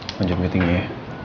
udah jam cateringnya ya